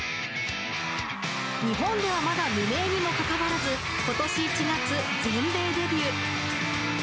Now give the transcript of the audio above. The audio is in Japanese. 日本ではまだ無名にもかかわらず、ことし１月、全米デビュー。